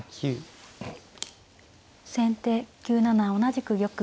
先手９七同じく玉。